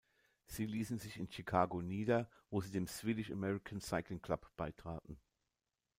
Sie ließen sich in Chicago nieder, wo sie dem Swedish-American Cycling Club beitraten.